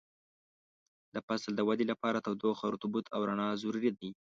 د فصل د ودې لپاره تودوخه، رطوبت او رڼا ضروري دي.